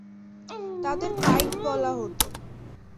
তাদের পাইক বলা হত।